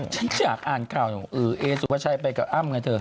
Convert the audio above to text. ฉันอยากอ่านข่าวเอสุภาชัยไปกับอ้ำไงเธอ